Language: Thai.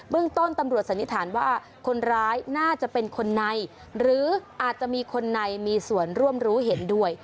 เรื่องต้นตำรวจสันนิษฐานว่าคนร้ายน่าจะเป็นคนในหรืออาจจะมีคนในมีส่วนร่วมรู้เห็นด้วย